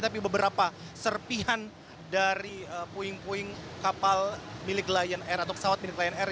tapi beberapa serpihan dari puing puing kapal milik lion air atau pesawat milik lion air